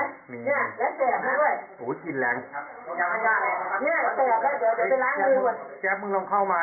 กลิ่นแรงเนี้ยแสบแล้วเดี๋ยวเดี๋ยวไปล้างดูก่อนแจ๊บมึงลองเข้ามา